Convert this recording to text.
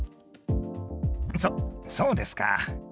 そそうですか。